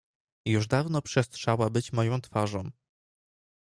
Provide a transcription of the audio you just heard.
Już dawno przestrzała być moją twarzą.